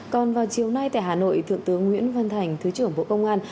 còn vào chiều nay tại hà nội thượng tướng nguyễn văn thành thứ trưởng bộ công an